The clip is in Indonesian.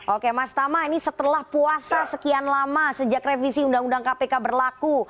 oke mas tama ini setelah puasa sekian lama sejak revisi undang undang kpk berlaku